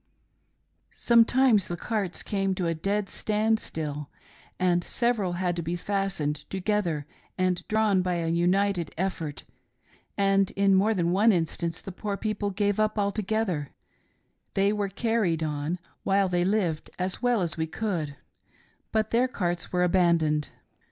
"Sometimes the carts came to a dead stand still, and several had to be fastened together and drawn by a united effort, and in more than one instance the poor people gave up altogether ;— they were carried on, while they lived, as well as we could ; but their carts were abandoned.